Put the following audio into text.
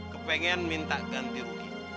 kepengen minta ganti rugi